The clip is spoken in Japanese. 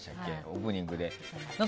オープニングで。